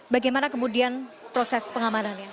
bagaimana kemudian proses pengamanannya